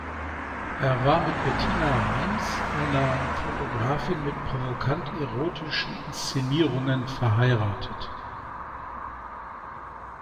Er war mit Bettina Rheims, einer Fotografin mit provokant-erotischen Inszenierungen, verheiratet.